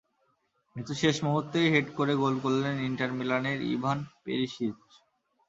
কিন্তু শেষ মুহূর্তে হেড করে গোল করলেন ইন্টার মিলানের ইভান পেরিসিচ।